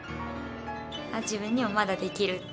自分にもまだできるっていう。